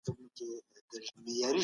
پیچلي پلانونه تل بریالي نه وي.